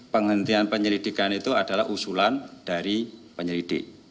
penghentian penyelidikan itu adalah usulan dari penyelidik